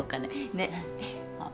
ねっ。